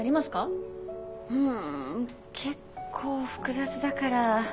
うん結構複雑だから。